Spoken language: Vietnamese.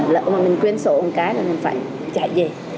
lỡ mà mình quên sổ một cái là mình phải chạy về